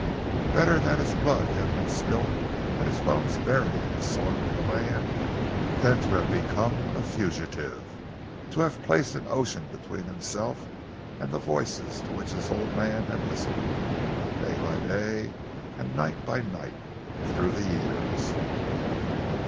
Better that his blood had been spilt and his bones buried in the soil of the land than to have become a fugitive, to have placed an ocean between himself and the voices to which this old man had listened, day by day and night by night, through the years!